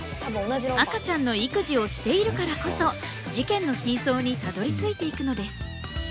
赤ちゃんの育児をしているからこそ事件の真相にたどりついていくのです。